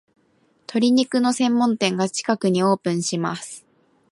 鶏肉の専門店が近くにオープンします